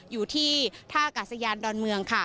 อยู่ที่ท่ากาศยานดอนเมืองค่ะ